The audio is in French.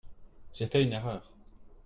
J'ai fait une erreur.